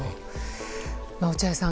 落合さん